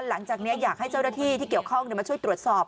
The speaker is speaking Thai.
หลังจากนี้อยากให้เจ้าหน้าที่ที่เกี่ยวข้องมาช่วยตรวจสอบ